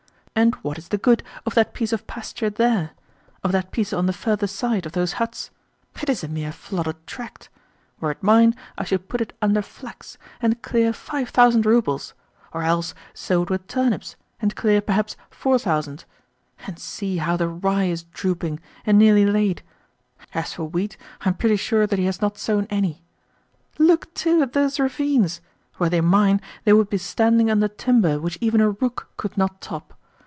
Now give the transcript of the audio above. And what is the good of that piece of pasture there of that piece on the further side of those huts? It is a mere flooded tract. Were it mine, I should put it under flax, and clear five thousand roubles, or else sow it with turnips, and clear, perhaps, four thousand. And see how the rye is drooping, and nearly laid. As for wheat, I am pretty sure that he has not sown any. Look, too, at those ravines! Were they mine, they would be standing under timber which even a rook could not top.